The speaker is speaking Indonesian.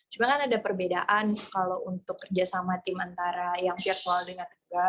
cuma kan ada perbedaan kalau untuk kerjasama tim antara yang virtual dengan negara